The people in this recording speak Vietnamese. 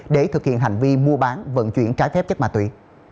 để thực hiện hành vi mua bán vận chuyển trái phép chất ma túy